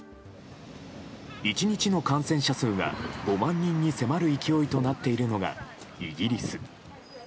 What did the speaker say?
１日の感染者数が５万人に迫る勢いとなっているのがイギリス。